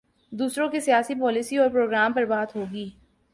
دوسروں کی سیاسی پالیسی اور پروگرام پر بات ہو گی۔